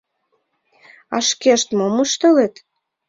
А шкешт мом ыштылыт?